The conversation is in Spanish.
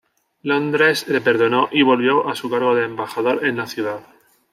Londres le perdonó y volvió su cargo de embajador en la ciudad.